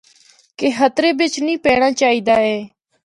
کہ خطرہ بچ نیں پینڑاں چاہی دا اے۔